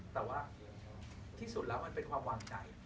แต่ว่าที่สุดแล้วมันเป็นความวางใจ